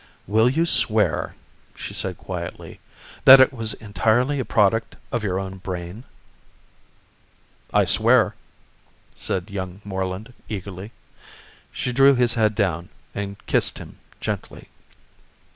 "Will you swear," she said quietly "That it was entirely a product of your own brain?" "I swear," said young Moreland eagerly. She drew his head down and kissed him gently.